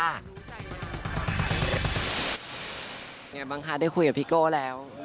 ยังไงบ้างคะได้คุยกับพี่โก้แล้ว